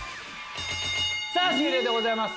さぁ終了でございます。